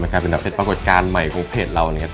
กลายเป็นแบบเป็นปรากฏการณ์ใหม่ของเพจเรานะครับ